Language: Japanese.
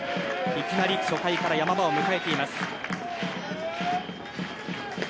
いきなり初回から山場を迎えています。